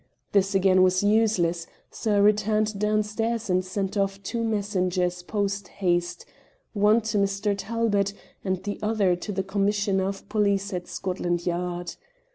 This again was useless, so I returned downstairs and sent off two messengers post haste one to Mr. Talbot, and the other to the Commissioner of Police at Scotland Yard.